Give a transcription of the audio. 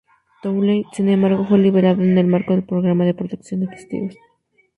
Townley, sin embargo, fue liberado en el marco del programa de protección de testigos.